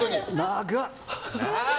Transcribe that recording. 長っ！